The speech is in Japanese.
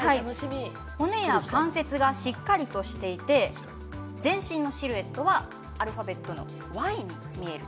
骨や関節がしっかりとしていて全身のシルエットはアルファベットのＹの形に似ている